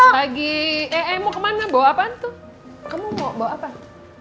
lagi eh mau kemana bawa apaan tuh kamu mau bawa apa